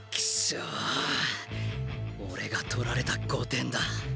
お俺が取られた５点だ。